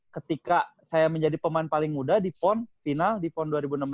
ketika saya menjadi pemain paling muda di pon final di pon dua ribu enam belas